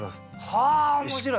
はあ面白い。